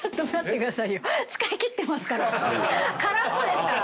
空っぽですから。